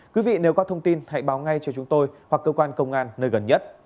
quý vị nếu có thông tin hãy báo ngay cho chúng tôi hoặc cơ quan công an nơi gần nhất